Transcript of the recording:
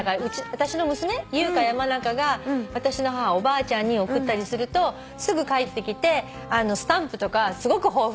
私の娘優香や真香が私の母おばあちゃんに送ったりするとすぐ返ってきてスタンプとかすごく豊富に使うんだって。